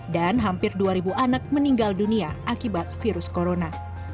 dan hampir dua ribu anak meninggal dunia akibat virus corona